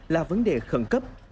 là vấn đề khẩn cấp